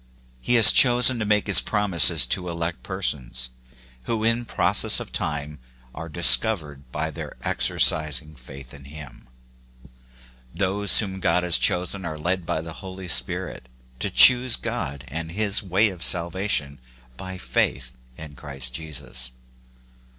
He has chosen to make his promises to elect persons, who in process of time are discovered by their exercising faith in him. Those whom God Whose are the Promises. 37 has chosen are led by the Holy Spirit to choose God and his way of salvation by faith in Christ Jesus.